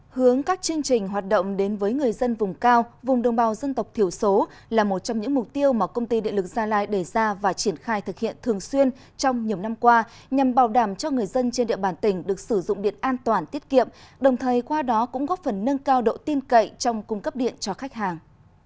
hướng các chương trình hoạt động đến với người dân vùng cao vùng đồng bào dân tộc thiểu số là một trong những mục tiêu mà công ty điện lực gia lai đề ra và triển khai thực hiện thường xuyên trong nhiều năm qua nhằm bảo đảm cho người dân trên địa bàn tỉnh được sử dụng điện an toàn tiết kiệm đồng thời qua đó cũng góp phần nâng cao độ tin cậy trong cung cấp điện cho khách hàng